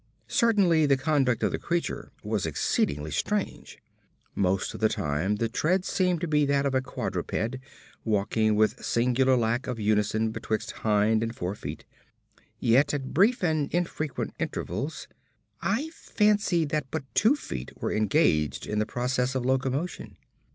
Certainly, the conduct of the creature was exceedingly strange. Most of the time, the tread seemed to be that of a quadruped, walking with a singular lack of unison betwixt hind and fore feet, yet at brief and infrequent intervals I fancied that but two feet were engaged in the process of locomotion.